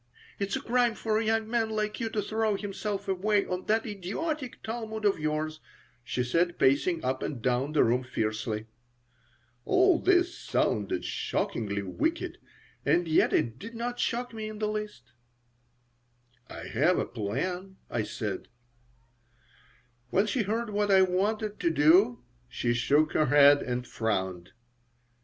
"It's a crime for a young man like you to throw himself away on that idiotic Talmud of yours," she said, pacing up and down the room fiercely All this sounded shockingly wicked, and yet it did not shock me in the least "I have a plan," I said When she heard what I wanted to do she shook her head and frowned.